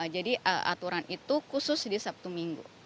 jadi aturan itu khusus di sabtu minggu